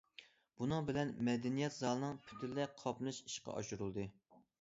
بۇنىڭ بىلەن مەدەنىيەت زالىنىڭ پۈتۈنلەي قاپلىنىشى ئىشقا ئاشۇرۇلدى.